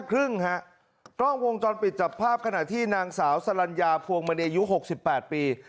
กล้องวงจรปิดจับภาพขณะที่นางสาวสลัญญาพวงมณีอายุ๖๘ปี